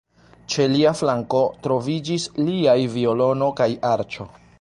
Ĉe lia flanko troviĝis liaj violono kaj arĉo.